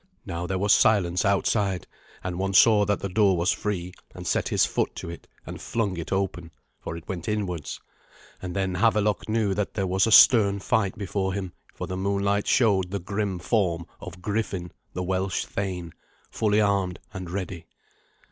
Now there was silence outside, and one saw that the door was free, and set his foot to it, and flung it open, for it went inwards. And then Havelok knew that there was a stern fight before him, for the moonlight showed the grim form of Griffin, the Welsh thane, fully armed and ready.